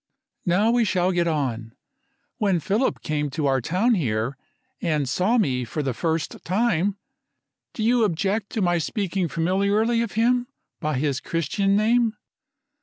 "Now we shall get on. When Philip came to our town here, and saw me for the first time Do you object to my speaking familiarly of him, by his Christian name?"